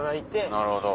なるほど。